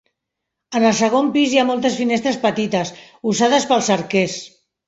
En el segon pis hi ha moltes finestres petites, usades pels arquers.